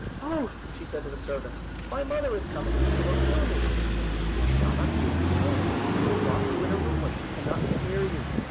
"Oh!" said she to the servants, "my mother is coming, and she will kill me." "She shall not kill you at all; we will lock you in a room where she cannot get near you."